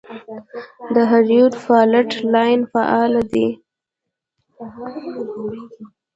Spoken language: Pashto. د هریرود فالټ لاین فعال دی